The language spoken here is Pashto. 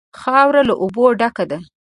خاوره له اوبو ډکه ده.